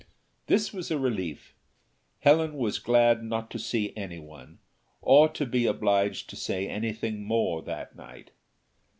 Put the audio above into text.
This was a relief. Helen was glad not to see any one, or to be obliged to say anything more that night.